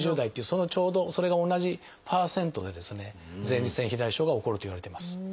そのちょうどそれが同じパーセントで前立腺肥大症が起こるといわれてます。